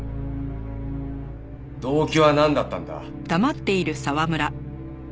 動機はなんだったんだ？